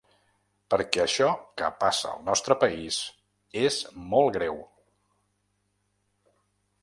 Perquè això que passa al nostre país és molt greu.